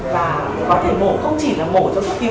và có thể mổ không chỉ là mổ cho sức thiếu đó